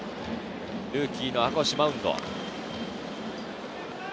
ルーキーの赤星がマウンド。